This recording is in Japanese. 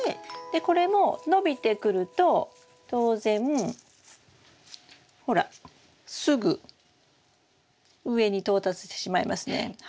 でこれも伸びてくると当然ほらすぐ上に到達してしまいますね。